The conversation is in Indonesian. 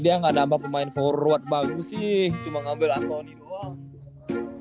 dia gak dapet pemain forward bagus sih cuma ngambil anthony doang